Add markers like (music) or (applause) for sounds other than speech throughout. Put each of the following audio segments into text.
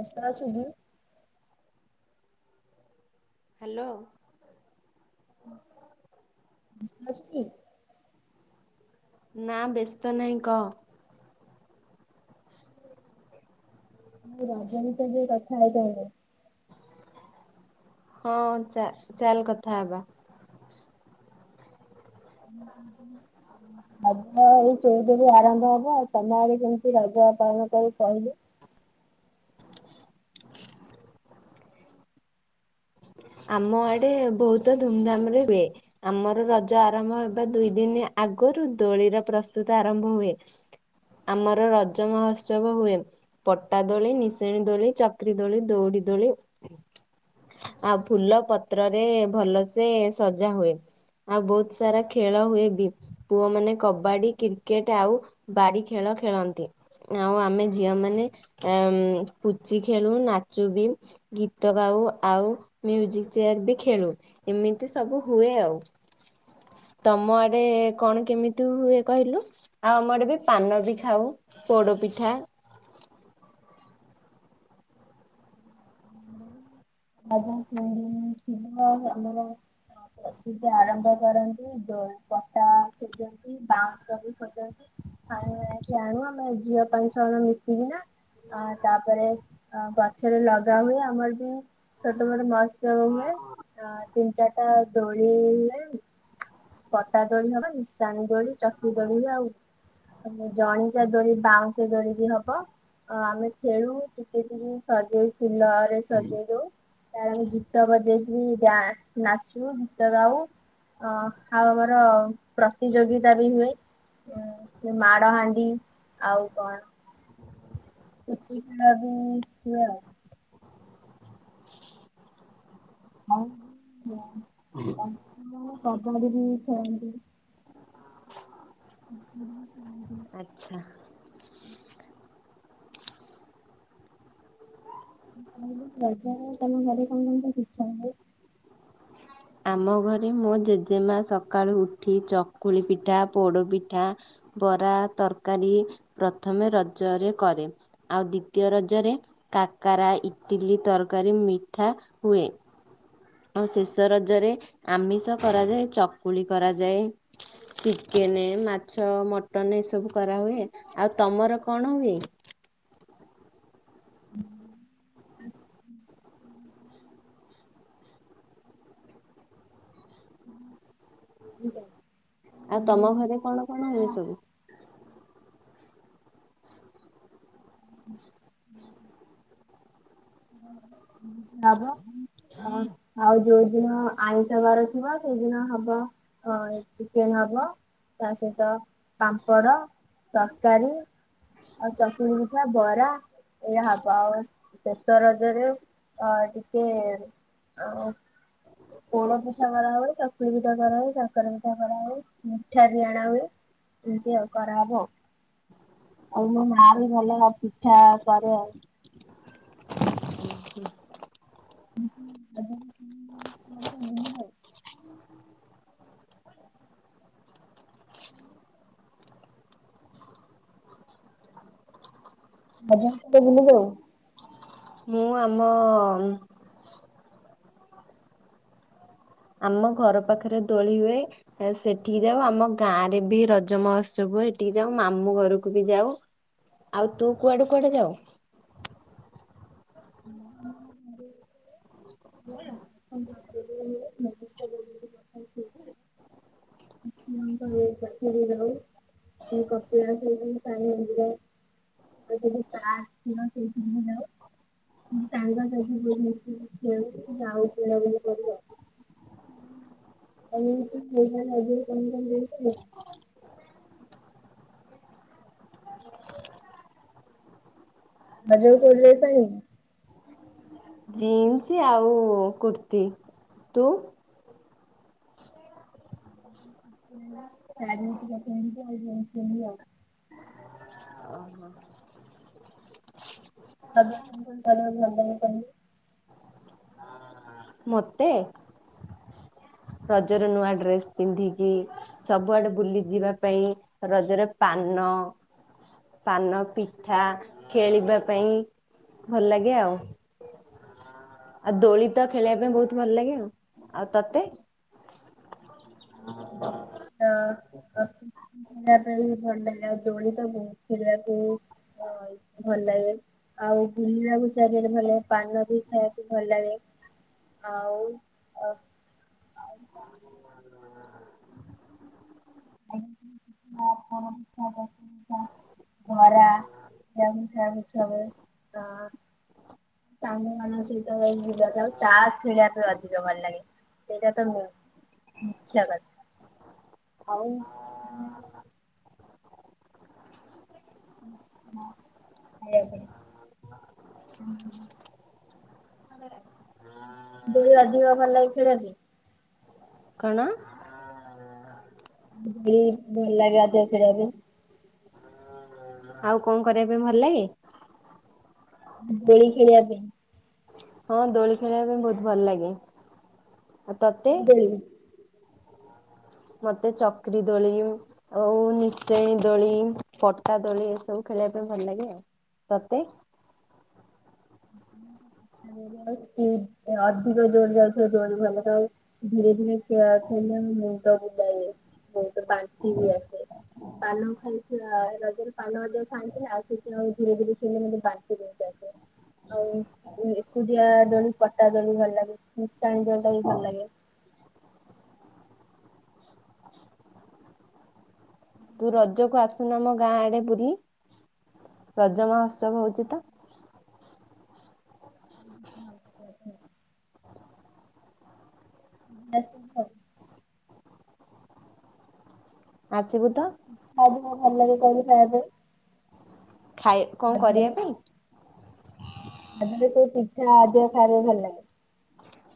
ବ୍ୟସ୍ତ ରେ ଅଛୁ କି? ହ୍ୟାଲୋ। ବ୍ୟସ୍ତ ଅଛୁ କି? ନା ବ୍ୟସ୍ତ ନାହିଁ କହ। ଏ ରଜ ବିଷୟ ରେ ଟିକେ କଥା ହେଇଥାନ୍ତେ। ହଁ ଚା ଚାଲ କଥା ହବା। (unintelligible) ରଜ ଏଇ ଚଉଦରୁ ଆରମ୍ଭ ହବ ଆଉ ତମେ ଆଡେ ଯେମିତି ରଜ ପାଳନ କରି କହିଲୁ। ଆମ ଆଡେ ବହୁତ ଧୁମଧାମ ରେ ହୁଏ। ଆମର ରଜ ଆରମ୍ଭ ଅବା ଦୁଇ ଦିନି ଆଗରୁ ଦୋଳିର ପ୍ରସ୍ତୁତ ଆରମ୍ଭ ହୁଏ। ଆମର ରଜ ମହୋତ୍ସବ ହୁଏ। ପଟା ଦୋଳି ନିସେଣି ଦୋଳି ଚକ୍ରୀ ଦୋଳି ଦୌଡ଼ି ଦୋଳି ଆ ଫୁଲ ପତ୍ରରେ ଭଲ ସେ ସଜା ହୁଏ। ଆଉ ବହୁତ ସାରା ଖେଳ ହୁଏ ବି ପୁଅମାନେ କବାଡି କ୍ରିକେଟ ଆଉ ବାଡ଼ି ଖେଳ ଖେଳନ୍ତି। ଆଉ ଆମେ ଝିଅ ମାନେ ଅ ଉଁ ପୁଚି ଖେଳୁ ନାଚୁ ବି ଗୀତ ଗାଉ ଆଉ ମ୍ୟୁଜିକ ଚେୟାର ବି ଖେଳୁ ଏମିତି ସବୁ ହୁଏ ଆଉ। ତମ ଆଡେ କଣ କେମିତି ହୁଏ କହିଲୁ? ଆ ଆମଡ ବି ପାନ ବି ଖାଉ ପୋଡ ପିଠା (inaudible) (unintelligible) (unintelligible) ପ୍ରସ୍ତୁତି ଆରମ୍ଭ କରନ୍ତୁ ଦ ପଟା ଖୋଜନ୍ତି ବାଁ ଶ ବି ଖୋଜନ୍ତି ଆ ଏଥି ଆଣୁ ଆମେ ଝିଅ ପାଇଁ ସ ମିଶିକିନା ଆ ତାପରେ ଅ ଗଛରେ ଲଗା ହୁଏ ଆମର ବି ଛୋଟ ମୋଟ ମହତ୍ସବ ହୁଏ ଆ ତିନି ଚାରିଟା ଦୋଳି ହୁଏ କଟା ଦୋଳି ହବ ନିଶାଣି ଦୋଳି ଚକି ଦୋଳି ବି ଆଉ ମାନେ ଜଣିକିଆ ଦୋଳି ବାଉଁଶ ଦୋଳି ବି ହବ। ଆ ଆମେ ଖେଳୁ ଟିକେ ଟିକେ ସଜେଇ ଫୁଲରେ ସଜେଇ ଦଉ। ତାପରେ ଗୀତ ବଜେଇକି ଡ୍ୟାସ୍ ନାଚୁ ଗୀତ ଗାଉ। ଅଁ ଆଉ ଆମର ପ୍ରତିଯୋଗିତା ବି ହୁଏ। ହୁଁ ଉ ମାଡ଼ ହାଣ୍ଡି ଆଉ କଣ? (unintelligible) ଆଉ (inaudible) କବାଡି ବି ଖେଳନ୍ତି। (inaudible) ଆଛା। (unintelligible) ତମ ଘରେ କଣ କରିବାକୁ ଇଚ୍ଛା ହୁଏ? ଆମ ଘରେ ମୋ ଜେଜେମା ସକାଳୁ ଉଠି ଚକୁଳି ପିଠା ପୋଡ ପିଠା ବରା ତରକାରୀ ପ୍ରଥମେ ରଜରେ କରେ। ଆଉ ଦ୍ୱିତୀୟ ରଜରେ କାକରା ଇଟିଲି ତରକାରୀ ମିଠା ହୁଁଏ। ଆଉ ଶେଷ ରଜରେ ଆମିଷ କରାଯାଏ ଚକୁଳି କରାଯାଏ। ଚିକେନେ ମାଛ ମଟନ ଏ ସବୁ କରାହୁଏ ଆଉ ତମର କଣ ହୁଏ? (inaudible) ଆଉ ତମ ଘରେ କଣ କଣ ହୁଏ ସବୁ? (unintelligible) ହୁଁ (unintelligible) ଆ ଆଉ ଯୋଉଦିନ ହ ଆଇଁଷ ବାର ଥିବ ସେଇଦିନ ହବ ଅଁ ଚିକେନ ଅବ। ତା ସହିତ ପାମ୍ପଡ ତରକାରୀ। ଆଉ ଚକୁଳି ପିଠା ବରା। ଏଇଆ ହବ ଆଉ ଶେଷ ରଜରେ ଅଁ ଟିକେ ଆଉ ପୋଡ ପିଠା କରା ହୁଏ ଚକୁଳି ପିଠା କରା ହୁଏ କାକରା ପିଠା କରା ହୁଏ। ମିଠା ବି ଆଣା ହୁଏ ଏମିତି ଆଉ କରାହବ। ଆଉ ମୋ ମା ବି, ଭଲ ପିଠା କରେ ଆଉ। ହୁଁ। (unintelligible) ରଜରେ କୁଆଡ଼େ ବୁଲିଯାଉ? ମୁଁ, ଆମ ଅ ଆମ ଘର ପାଖରେ ଦୋଳି ହୁଏ। ଆଉ ସେଠିକି ଯାଉ, ଆମ ଗାଁ ରେ ବି ରଜ ମହୋତ୍ସବ ହୁଏ, ହେଠିକି ଯାଉ, ମାମୁଁ ଘରକୁ ବି ଯାଉ। ଆଉ ତୁ କୁଆଡେ କୁଆଡେ ଯାଉ? ଘରେ ଯାଉ, ସନ୍ଧ୍ୟାବେଳେ ସିଏ ଯୋଉଠି ହଏ। ସେଇ କପିଳାସ ଯୋଉ ସା ସାଇ ମନ୍ଦିର ସେ ଆସିିବ, ସେଇ ତିନି ଦିନରେ। ଜଣେ ଭାଇ ଙ୍କୁ ଦେଇନଥିଲି। ଖେଳଛୁଟି ନା, ଆଉ ବୁଲା ବୁଲି କରିବ? ତୋ ପୁଅ ପାଇଁ ରଜରେ କଣ କଣ ଦୋଳି କଲୁ? ରଜରେ ଦୋଳି ବେବସ୍ଥା ହେଇନି। ଖୁସି ଆଉ କୁର୍ତ୍ତି, ତୁ? କିଛି ନାଇଁମ, ଶାଢ଼ୀ ଦି ଟା କିଣିଛି, ଆଉ ଡ୍ରେସ୍ କିଣିନି ଆଉ ରଜ ଖର୍ଚ୍ଚ, ଚାରି ହଜାର ଟଙ୍କା କଲି। ମୋତେ ରଜ ର ନୂଆ ଡ୍ରେସ ପିନ୍ଧିକି ସବୁଆଡେ ବୁଲି ଯିବା ପାଇଁ, ରଜରେ ପାନ ପାନ ପିଠା, ଖେଳିବା ପାଇଁ ଭଲ ଲାଗେ ଆଉ। ଆଉ ଦୋଳି ତ ଖେଳିବା ପାଇଁ ବହୁତ ଭଲ ଲାଗେ ଆଉ, ଆଉ ତତେ? (unintelligible) (unintelligible) ଖାଇବା ପାଇଁ ବି ଥଣ୍ଡା ହେ, ଆଉ ଦୋଳି ତ ବହୁତ ଖେଳିବାକୁ, ହଁ ଭଲ ଲାଗେ, ଆଉ ବୁଲିବାକୁ ଚାରିଆଡେ ଭଲ ଲାଗେ, ପାନ ବି ଖାଇବାକୁ ଭଲ ଲାଗେ। ଆଉ ଅ (unintelligible) ବରା, ପିଠା ମିଠା (unintelligible) ସାଙ୍ଗ ମାନଙ୍କ ସହିତ ବୁଲିଆ ଯାଉ, ତାସ୍ ଖେଳିବାକୁ ଅଧିକ ଭଲ ଲାଗେ, ସେଇଟା ତ ମୁ ମୁଖ୍ୟ କଥା। ଆଉ ହଁ, ଖାଇଆ ପାଇଁ, ହଁ ହଁ। ଆଲାରାମ (unintelligible) ଦୋଳି ଅଧିକ ଭଲ ଲାଗେ, ଖେଳିବା ପାଇଁ? କଣ? ଦୋଳି ଭଲଲାଗେ ଅଧିକ ଖେଳିବା ପାଇଁ। ଆଉ କଣ କରିବା ପାଇଁ ଭଲ ଲାଗେ? ଦୋଳି ଖେଳିବା ପାଇଁ ହଁ ଦୋଳି ଖେଳିବା ପାଇଁ ବହୁତ ଭଲ ଲାଗେ, ଆ ତତେ? ମତେ ଚକରି ଦୋଳି। ଆଉ ନିଶ୍ଚେଇ ଦୋଳି ପଟା ଦୋଳି ଏସବୁ ଖେଳିବା ପାଇଁ ଭଲ ଲାଗେ ଆଉ। ତତେ? ଅଧିକ ଜୋର ଯାଉଥିବ ଦୋଳି ଭଲ (unintelligible) ଧୀରେ ଧୀରେ ଖେଳିଲେ ମୁଣ୍ଡ ବୁଲାଏ ମୁଣ୍ଡଟ ବାନ୍ତି ବ ଆସେ। ପାନ ଖାଇଥିବା ରଜରେ ପାନ ଅଧିକ ଖାଆନ୍ତି ନା ଆଉ ସେଥିଉ ଧୀରେ ଧୀରେ ସେ ମାନେ ବାନ୍ତି ଯେମତି ଆସେ। ଆଉ ଏକୁଟିଆ ଦୋଳି ପଟା ଦୋଳି ଭଲ ଲାଗେ, (unintelligible) ଦୋଳିଟା ବି ଭଲ ଲାଗେ। ତୁ ରଜକୁ ଆସୁନୁ ଆମ ଗାଁ ଆଡେ ବୁଲି ରଜ ମହୋତ୍ସବ ହଉଛି ତ। (unintelligible) (unintelligible) ଆସିବୁ ତ। (unintelligible) ଭଲ ଲାଗେ କହିଲୁ ଖାଇବା ପାଇଁ? ଖାଇ କଁ କରିବା ପାଇଁ। (unintelligible) ପିଠା ଅଧିକ ଖାଇବା ପାଇଁ ଭଲ ଲାଗେ?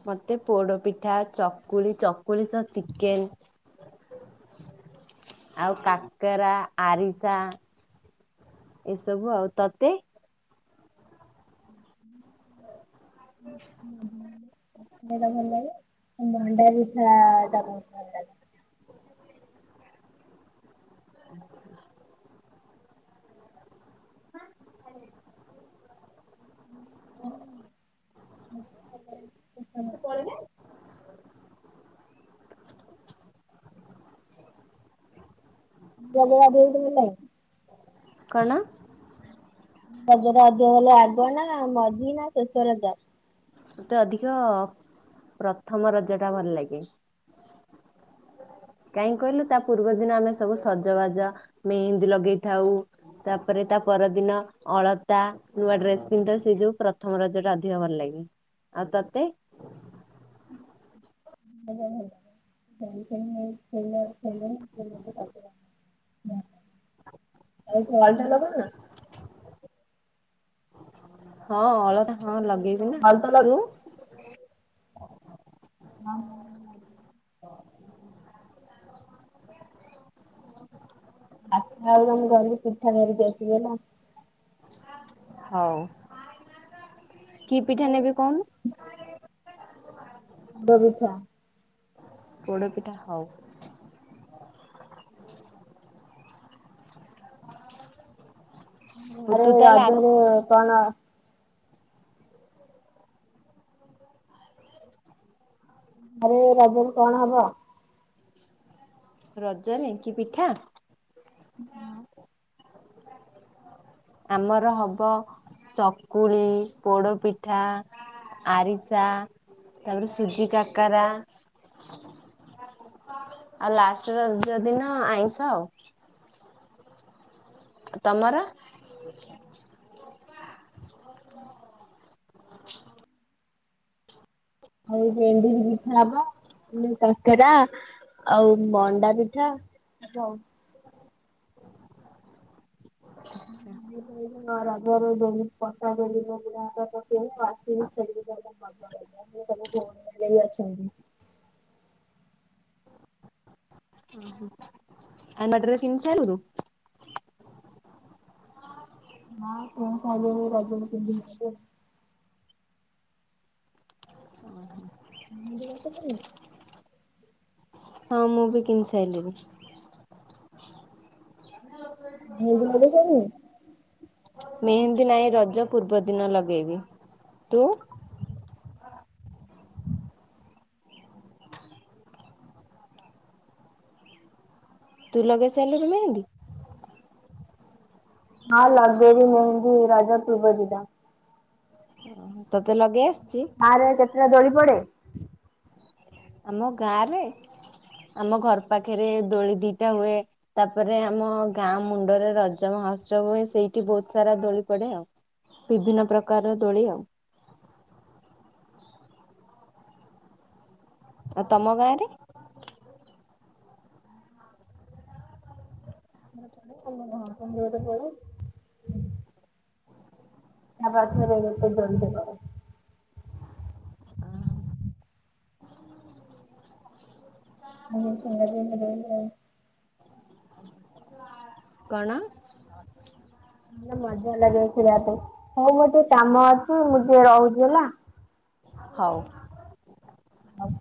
ମତେ ପୋଡ ପିଠା, ଚକୁଳି ଚକୁଳି ସହ ଚିକେନ। ଆଉ କାକେରା ଆରିସା ଏସବୁ ଆଉ, ତତେ? (unintelligible) ଟା ଭଲ ଲାଗେ, ମଣ୍ଡା ପିଠା ଟା ବହୁତ ଭଲ ଲାଗେ। (unintelligible) (unintelligible) ପଳେ ନାଇ। ରଜ ଗାଧୁଆ ବି ତମର ନାଇଁ। କଣ? ରଜ ଟା ଅଧିକ ଭଲ ଆଗ ନା ମଝି ନା ଶେଷ ରଜ। ମତେ ଅଧିକ ପ୍ରଥମ ରଜ ଟା ଭଲ ଲାଗେ। କାହିଁକି କହିଲୁ ତା ପୂର୍ବ ଦିନ ଆମେ ସବୁ ସଜବାଜା ମେହେନ୍ଦୀ ଲଗେଇଥାଉ। ତାପରେ ତା ପରଦିନ ଅଳତା ନୂଆ ଡ୍ରେସ୍ ପିନ୍ଧ ସେ ଯୋଉ ପ୍ରଥମ ରଜ ଟା ଅଧିକ ଭଲ ଲାଗେ, ଆଉ ତତେ? (unintelligible) ଆତୁ ଅଳତା ଲଗେଇବନା। ହଁ ଅଳତା ହଁ ଲଗେଇବି। ନା ଭଲ ତ ଲା ତୁ (unintelligible) (unintelligible) (unintelligible) ଆମେ ଗଲୁ ପିଠା ଧରିକି ଆସିବୁ ହେଲା। ହଉ, କି ପିଠା ନେବେ କହୁନୁ? (unintelligible) ପୋଡ଼ ପିଠା। ପୋଡ଼ ପିଠା ହଉ। ହଉ ଆରେ ତୁ ତାହେଲେ ରଜ ରେ କଣ? ଆରେ ଏ ରଜ ରେ କଣ ହବ। ରଜରେ କି ପିଠା? ହଁ। ଆମର ହବ ଚକୁଳି ପୋଡପିଠା। ଆରିସା ତାପରେ ସୁଜି କାକରା। ଆଉ ଲାଷ୍ଟେ ରଜ ଦିନ ଆଇଁଷ ଆଉ। ତମର? (unintelligible) ଆଉ ଏଡିରି ପିଠା ହବ ପୁଣି କାକେରା। ଆଉ ମଣ୍ଡା ପିଠା ହବ। ଆଉ ହୁଁ ହୁଁ ଦେଲୁ ଦେଲୁ। ନା ରଜ ରେ ଦୋଳି ପଟା ଦୋଳି ପକେଇବେ ଆସିନେ ଖେଳିବେ ଛୁଆ ଗୁଡାକ। ଆଜି ଆମର ଵନ୍ଦକରିଵା କଯ୍ୟକମ୍ର କରିଵାର ଅଛନ୍ତି। ଓହ ଭଲ ଡ୍ରେସ୍ କିଣିସାରିଲୁଣି? ହଁ କିଣି ସାରିଲିଣି ରଜ କିଛି ଦିନି ହେବ। କି ଡ୍ରେସ୍ କିଣିଲୁ? ହଁ ମୁଁ ବି କିଣି ସାରିଲିଣି। ହେଇ ଟି ଲାଗୁକରିବେ। ମେହେନ୍ଦୀ ନାହିଁ ରଜ ପୂର୍ବ ଦିନ ଲଗେଇବ ତୁ? ତୁ ଲଗେଇ ସାରିଲୁଣି ମେହେନ୍ଦି? ହଁ ଲଗେଇଵି ମେହେନ୍ଦି ରଜ ପୁର୍ବ ଦିବା। ତତେ ଲଗେଇ ଆସୁଚି? ଆରେ ଏ ଡେବେ୍ ତମର ଦେଳି ପଡେ? ଆମ ଗାଁ ରେ ଆମ ଘର ପାଖରେ ଦୋଳି ଦିଟା ହୁଏ। ତାପରେ ଆମେ ଗାଁ ମୁଣ୍ଡରେ ରଜ ମହୋସ୍ଛବ ସେଇଠି ବହୁତ ସାରା ଦୋଳି ପଡେ ଆଉ। ବିଭିନ୍ନ ପ୍ରକାରର ଦୋଳି ଆଉ। ଆଉ ତମ ଗାଁରେ? ହ (inaudible) (inaudible) ତା ପାଖରେ ଗୋଟେ ଦେଳି ହେବ। ଇଏ ସୁଦର। ହୁଁ ହଁ ହୁଁ। କଣ। ମଜା ଲାଗେ ଖେଳିଵା ପାଇଁ ହଉ ମୋର ଟିକେ କାମ ଅଛି ମୁଁ ଟିକଏ ରହୁଚି ହେଲା। ହଉ। ଆଉ।